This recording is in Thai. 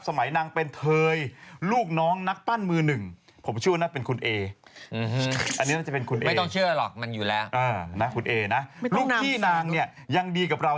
สมัยนางเป็นเทยลูกน้องนักปั้นมือหนึ่ง